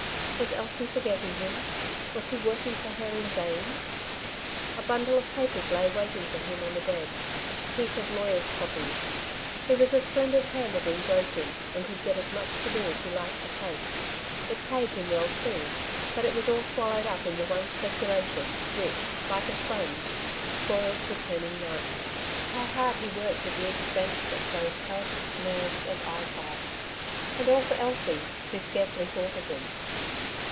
Was Elsie forgetting him ? Was he working for her in vain ? A bundle of papers lay waiting for him on the bed — a heap of lawyer's copy. He was a splendid hand at engrossing, and could get as much to do as he liked to take. It paid him well too, but it was all swallowed up in the one speculation, which, like a sponge, took all, returning none. How hard he worked at the expense of both health, nerves, and A Dark Side of the Question. 149 eyesight ; and all for Elsie, who scarcely thought of him.